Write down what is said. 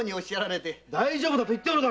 大丈夫だと言っておるだろう！